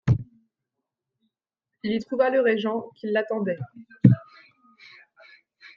Il y trouva le régent qui l'attendait.